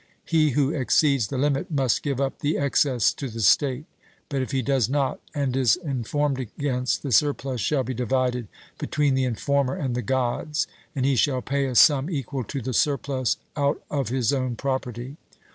He who exceeds the limit must give up the excess to the state; but if he does not, and is informed against, the surplus shall be divided between the informer and the Gods, and he shall pay a sum equal to the surplus out Of his own property.